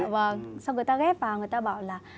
xong rồi người ta ghép vào người ta bảo là